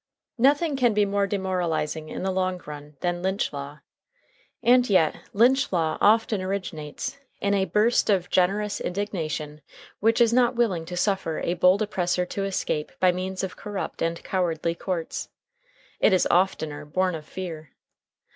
Nothing can be more demoralizing in the long run than lynch law. And yet lynch law often originates in a burst of generous indignation which is not willing to suffer a bold oppressor to escape by means of corrupt and cowardly courts. It is oftener born of fear.